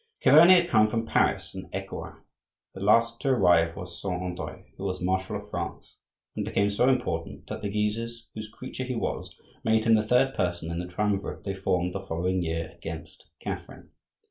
Chiverni had come from Paris and Ecouen. The last to arrive was Saint Andre, who was marshal of France and became so important that the Guises, whose creature he was, made him the third person in the triumvirate they formed the following year against Catherine.